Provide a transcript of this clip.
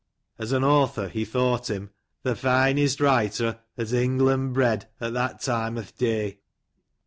As an author, he thought bim "Th' finest writer at Englan bred, at that time o'th' day."